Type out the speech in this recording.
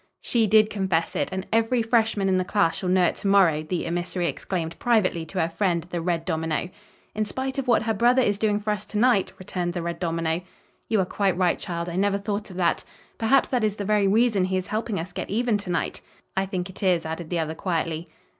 "She did confess it, and every freshman in the class shall know it to morrow!" the emissary exclaimed privately to her friend, the red domino. "In spite of what her brother is doing for us to night?" returned the red domino. "You are quite right, child. I never thought of that. Perhaps that is the very reason he is helping us get even to night." "I think it is," added the other, quietly.